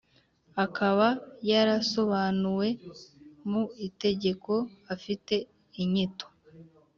akaba yarasobanuwe mu Itegeko afite inyito